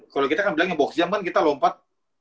kalau kita kan bilang box jump kan kita lompat